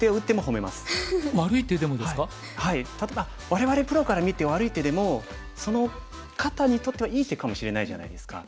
我々プロから見て悪い手でもその方にとってはいい手かもしれないじゃないですか。